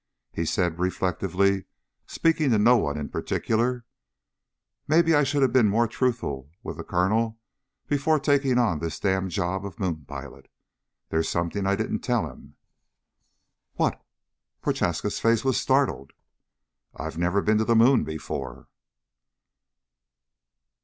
He said reflectively, speaking to no one in particular: "Maybe I should have been more truthful with the Colonel before taking on this damned job of moon pilot. There's something I didn't tell him." "What?" Prochaska's face was startled. "I've never been to the moon before."